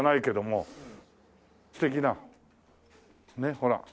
ほら。